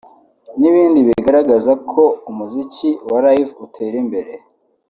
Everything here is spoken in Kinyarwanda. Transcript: n'ibindi bigaragaza ko umuziki wa Live utera imbere